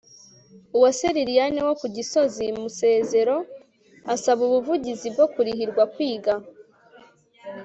uwase liliane wo ku gisozi musezero asaba ubuvugizi bwo kurihirwa kwiga